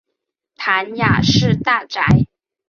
谭雅士大宅。